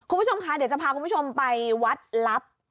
คุณผู้ชมคะเดี๋ยวจะพาคุณผู้ชมไปวัดลับ